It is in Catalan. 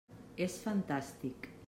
És fantàstic.